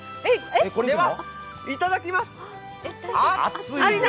では、いただきます！